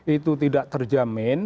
itu tidak terjamin